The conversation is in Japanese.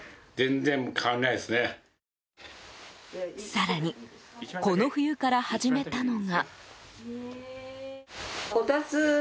更にこの冬から始めたのが。